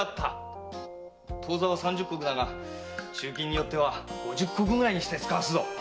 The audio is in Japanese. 当座は三十石だが忠勤によっては五十石にしてつかわすぞ。